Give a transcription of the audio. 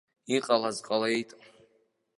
Иҟалаз ҟалеит.